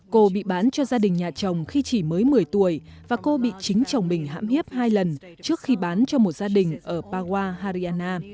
cô bị bán cho gia đình nhà chồng khi chỉ mới một mươi tuổi và cô bị chính chồng mình hãm hiếp hai lần trước khi bán cho một gia đình ở pawa hariana